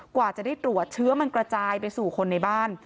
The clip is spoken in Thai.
กว่าจะได้ตรวจเชื้อมันกระจายไปสู่คนในบ้าน